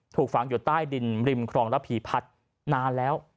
ถูกฝังอยู่ใต้ดินริมครองระพีพัฒน์นานแล้ว